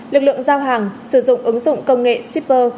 lực lượng giao hàng sử dụng ứng dụng công nghệ shipper